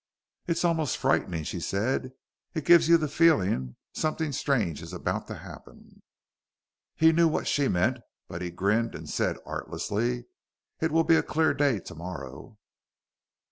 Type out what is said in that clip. "It's almost frightening!" she said. "It gives you the feeling something strange is about to happen." He knew what she meant, but he grinned and said artlessly, "It will be a clear day tomorrow."